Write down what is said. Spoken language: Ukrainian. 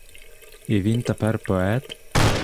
І він тепер поет?